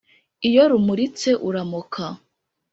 Iyo rumuritse uramoka